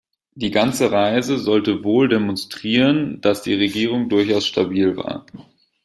Die ganze Reise sollte wohl demonstrieren, dass die Regierung durchaus stabil war.